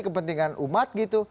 kepentingan umat gitu